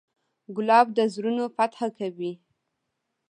ګلاب د زړونو فتحه کوي.